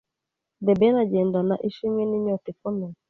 The Ben agendana ishimwe n’inyota ikomeye